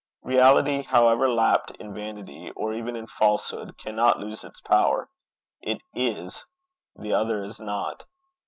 Reality, however lapt in vanity, or even in falsehood, cannot lose its power. It is the other is not.